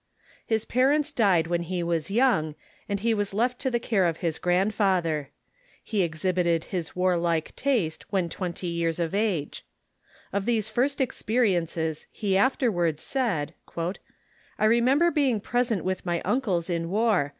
His parents died when he was young, and he was left to the care of his grandfather. He exhibited his warlike taste when twenty years of age. Of these first experiences he afterwards said : "I remember being present with my uncles in M'ar.